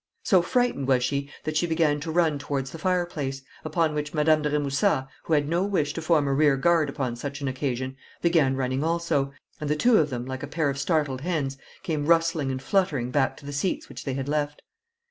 So frightened was she, that she began to run towards the fireplace, upon which Madame de Remusat, who had no wish to form a rearguard upon such an occasion, began running also, and the two of them, like a pair of startled hens, came rustling and fluttering back to the seats which they had left.